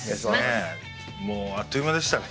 もうあっという間でしたね